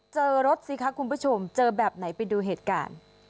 เจอรถสิคะคุณผู้ชมเจอแบบไหนไปดูเหตุการณ์